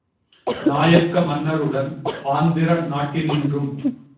நாயக்க மன்னருடன் ஆந்திர நாட்டினின்றும்